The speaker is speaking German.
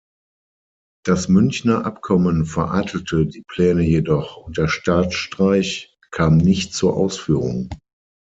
Das Münchner Abkommen vereitelte die Pläne jedoch, und der Staatsstreich kam nicht zur Ausführung.